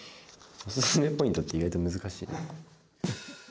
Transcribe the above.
おすすめポイントって意外と難しいな。